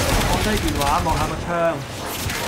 放低電話，望下個窗